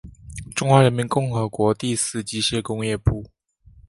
中华人民共和国第四机械工业部。